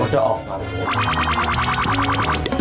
ตั้งแต่ออกมาครับ